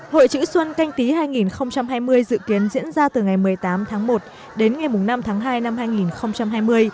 hội chữ xuân canh tí hai nghìn hai mươi dự kiến diễn ra từ ngày một mươi tám tháng một đến ngày năm tháng hai năm hai nghìn hai mươi